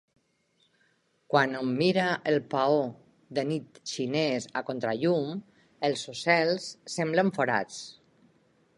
Quan hom mira el paó de nit xinés a contrallum, els ocels semblen forats.